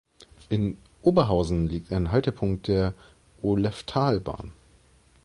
In Oberhausen liegt ein Haltepunkt der Oleftalbahn.